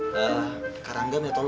kehidupan yang lebih baik